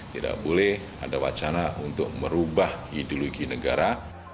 tidak boleh ada wacana untuk merubah ideologi negara